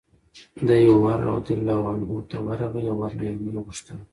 دی عمر رضي الله عنه ته ورغی او ورنه ویې غوښتل